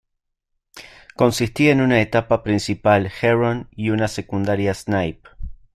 Consistía en una etapa principal Heron y una secundaria Snipe.